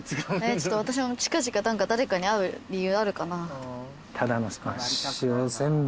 ちょっと私も近々何か誰かに会う理由あるかなぁ。